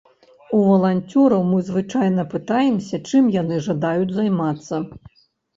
У валанцёраў мы звычайна пытаемся, чым яны жадаюць займацца.